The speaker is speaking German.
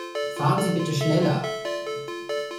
Fahren Sie bitte schneller.